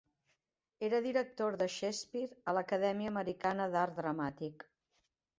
Era director de Shakespeare a l'Acadèmia Americana d'Art Dramàtic.